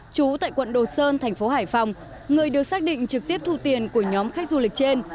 chú tại quận đồ sơn thành phố hải phòng người được xác định trực tiếp thu tiền của nhóm khách du lịch trên